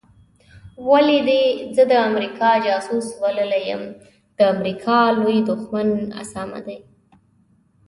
ولي دي زه د امریکا جاسوس بللی یم د امریکا لوی دښمن اسامه دی